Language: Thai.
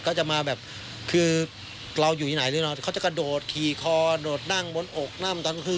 เขาจะมาแบบคือเราอยู่ไหนหรือน่ะเขาจะกระโดดขี่คอโดดนั่งบนอกนั่งบนตอนคืน